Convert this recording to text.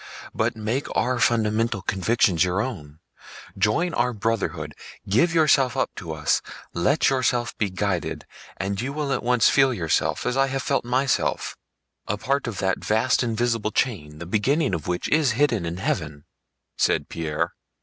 But make our fundamental convictions your own, join our brotherhood, give yourself up to us, let yourself be guided, and you will at once feel yourself, as I have felt myself, a part of that vast invisible chain the beginning of which is hidden in heaven," said Pierre.